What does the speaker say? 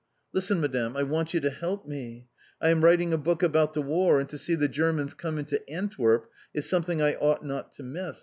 "Listen, Madame! I want you to help me. I am writing a book about the War, and to see the Germans come into Antwerp is something I ought not to miss.